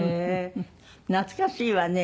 懐かしいわね。